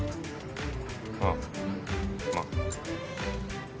ああまあ。